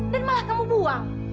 dan malah kamu buang